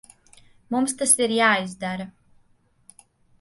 Mums tas ir jāizdara.